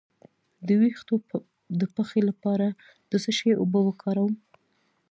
د ویښتو د پخې لپاره د څه شي اوبه وکاروم؟